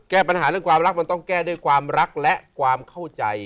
แก้ปัญหาเรื่องความรักมันต้องแก้ด้วยความรักและความเข้าใจ